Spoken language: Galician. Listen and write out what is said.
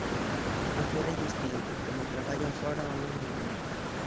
Agora é distinto, como traballan fóra home e muller.